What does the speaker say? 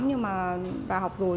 nhưng mà bà học rồi